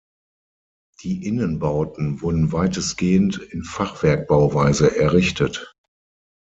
Die Innenbauten wurden weitestgehend in Fachwerkbauweise errichtet.